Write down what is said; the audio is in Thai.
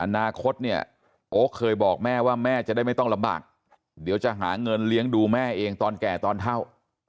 อนาคตเนี่ยโอ๊คเคยบอกแม่ว่าแม่จะได้ไม่ต้องลำบากเดี๋ยวจะหาเงินเลี้ยงดูแม่เองตอนแก่ตอนเท่า